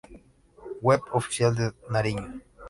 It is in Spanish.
Web oficial de Nariño.